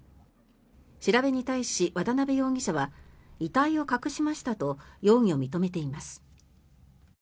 調べに対し、渡邉容疑者は遺体を隠しましたと容疑を認めています。